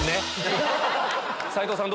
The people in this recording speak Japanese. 斎藤さん